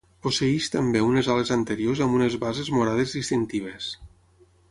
Posseeix també unes ales anteriors amb unes bases morades distintives.